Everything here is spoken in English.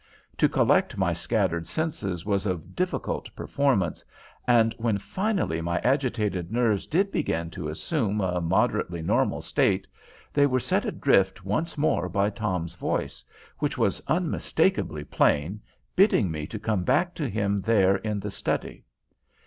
To collect my scattered senses was of difficult performance, and when finally my agitated nerves did begin to assume a moderately normal state, they were set adrift once more by Tom's voice, which was unmistakably plain, bidding me to come back to him there in the study.